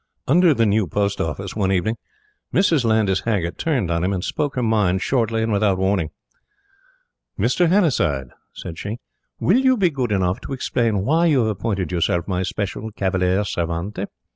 Under the new Post Office, one evening, Mrs. Landys Haggert turned on him, and spoke her mind shortly and without warning. "Mr. Hannasyde," said she, "will you be good enough to explain why you have appointed yourself my special cavalier servente?